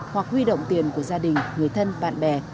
hoặc huy động tiền của gia đình người thân bạn bè